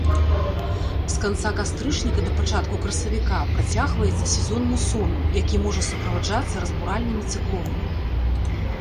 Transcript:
З канца кастрычніка да пачатку красавіка працягваецца сезон мусонаў, які можа суправаджацца разбуральнымі цыклонамі.